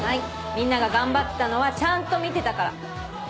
みんなが頑張ってたのはちゃんと見てたから。